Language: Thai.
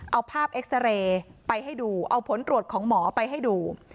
เอาภาพเอ็กซาเรย์ไปให้ดูเอาผลตรวจของหมอไปให้ดู